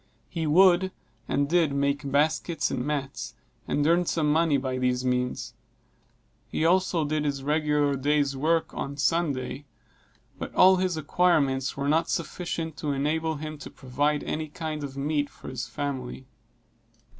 He would, and did, make baskets and mats, and earned some money by these means; he also did his regular day's work on Sunday; but all his acquirements were not sufficient to enable him to provide any kind of meat for his family.